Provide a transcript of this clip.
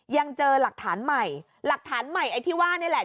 ยังเจอหลักฐานใหม่หลักฐานใหม่ไอ้ที่ว่านี่แหละ